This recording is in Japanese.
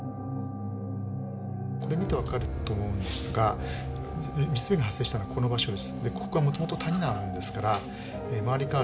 これ見て分かると思うんですが地滑りが発生したのはこの場所です。